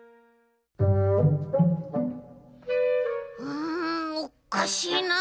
うんおっかしいな。